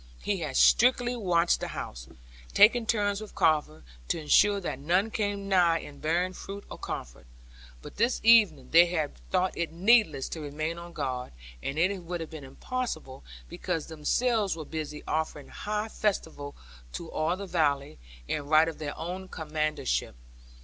He had strictly watched the house, taking turns with Carver, to ensure that none came nigh it bearing food or comfort. But this evening, they had thought it needless to remain on guard; and it would have been impossible, because themselves were busy offering high festival to all the valley, in right of their own commandership.